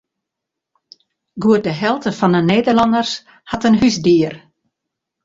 Goed de helte fan de Nederlanners hat in húsdier.